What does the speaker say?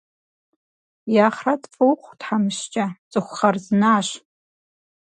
И ахърэт фӏы ухъу, тхьэмыщкӏэ, цӏыху хъарзынащ.